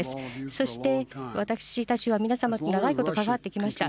そして私たちは皆様と長いこと関わってきました。